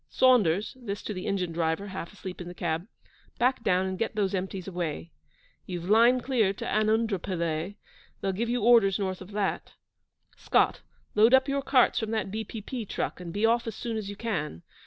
Saunders' (this to the engine driver, half asleep in the cab), 'back down and get those empties away.' You've 'line clear' to Anundrapillay; they'll give you orders north of that. Scott, load up your carts from that B.P.P. truck, and be off as soon as you can.